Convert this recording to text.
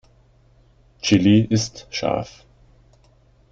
Chili ist scharf.